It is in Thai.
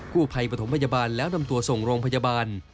ผู้ภัยปฐมพยาบาลแล้วนำตัวส่งโรงพยาบาล